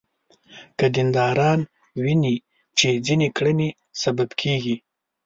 که دینداران ویني چې ځینې کړنې سبب کېږي.